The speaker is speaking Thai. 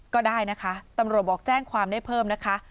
ก็ได้นะคะตำรวจบอกแจ้งความได้เพิ่มนะคะ